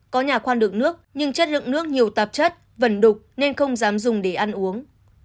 có nhà khoan được nước nhưng chất lượng nước nhiều tạp chất vẩn đục nên không dám dùng để ăn uống